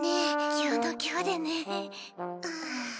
今日の今日でね。